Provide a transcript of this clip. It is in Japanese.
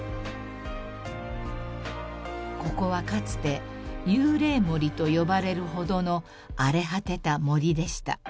［ここはかつて幽霊森と呼ばれるほどの荒れ果てた森でした］